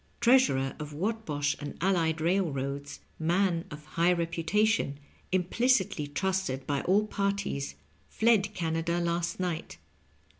Treasnrer of Whatbosh and allied railroads, man of high reputation, implicitly trusted bj all parties, fled Canada last night.